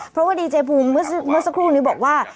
เพราะว่าดีเจภูมิเมื่อสักครู่นี้บอกว่า